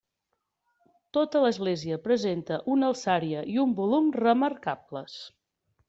Tota l'església presenta una alçària i un volum remarcables.